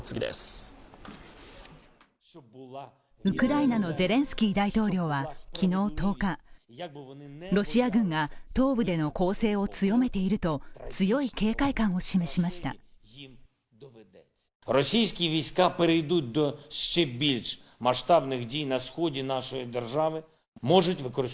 ウクライナのゼレンスキー大統領は昨日１０日、ロシア軍が東部での攻勢を強めていると強い警戒感を示しました。